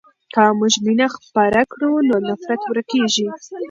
که موږ مینه خپره کړو نو نفرت ورکېږي.